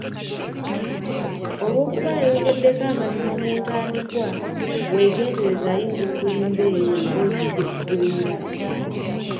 Olwokuba yayogeddeko amazima mu ntandikwa; weegendereze ayinza okulimba eyo emboozi gy’eggweera.